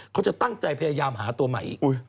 เขาจะตั้งใจพยายามหาตัวใหม่อีก